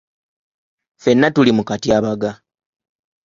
Ffenna tuli mu katyabaga.